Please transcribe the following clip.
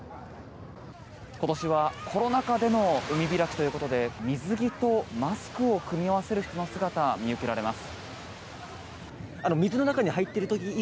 今年はコロナ禍での海開きということで水着とマスクを組み合わせる人の姿が見受けられます。